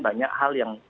banyak hal yang